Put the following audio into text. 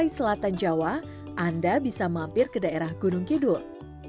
di selatan jawa anda bisa mampir ke daerah gunung kidul